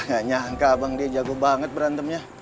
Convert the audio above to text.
gak nyangka abang dia jago banget berantemnya